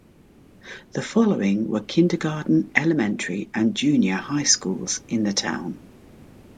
The following were kindergarten, elementary, and junior high schools in the town.